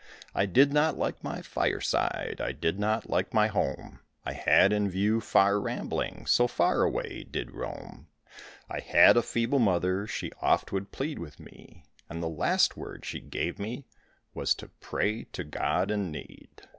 I did not like my fireside, I did not like my home; I had in view far rambling, So far away did roam. I had a feeble mother, She oft would plead with me; And the last word she gave me Was to pray to God in need.